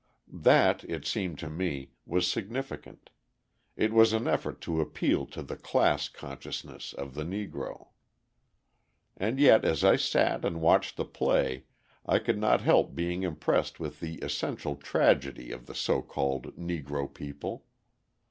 That, it seemed to me, was significant: it was an effort to appeal to the class consciousness of the Negro. And yet as I sat and watched the play I could not help being impressed with the essential tragedy of the so called Negro people.